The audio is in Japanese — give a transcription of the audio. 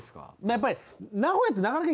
やっぱり。